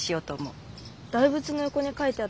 大仏の横に書いてあったやつ？